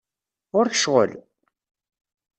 Ɣer-k ccɣel?